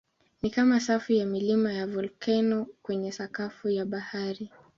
Ni kama safu ya milima ya volkeno kwenye sakafu ya bahari.